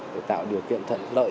để tạo điều kiện thận lợi